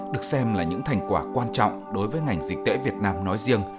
được xem là những thành quả quan trọng đối với ngành dịch tễ việt nam nói riêng